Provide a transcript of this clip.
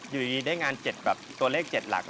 อยู่ดีได้งาน๗แบบตัวเลข๗หลัก